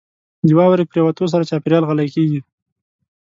• د واورې پرېوتو سره چاپېریال غلی کېږي.